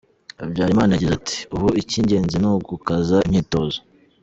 Habyarimana yagize ati" ubu icy’ingenzi ni ugukaza imyitozo.